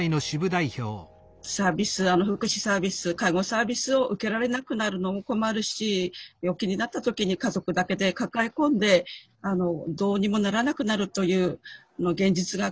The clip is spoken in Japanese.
サービス福祉サービス介護サービスを受けられなくなるのも困るし病気になった時に家族だけで抱え込んでどうにもならなくなるという現実がきっと目に見えるだろう。